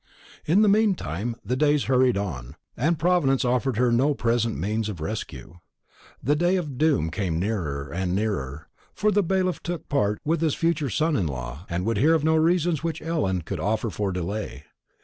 In the meantime the days hurried on, and Providence offered her no present means of rescue. The day of doom came nearer and nearer; for the bailiff took part with his future son in law, and would hear of no reasons which Ellen could offer for delay.